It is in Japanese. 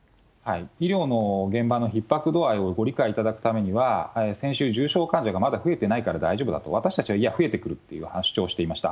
医療の現場のひっ迫度合いをご理解いただくためには、先週、重症患者がまだ増えてないから大丈夫だと、私たちは、いや増えてくるっていう話をしていました。